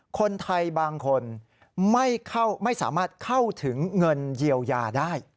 คนไทยบางคนไม่สามารถเข้าถึงเงินเยียวยาได้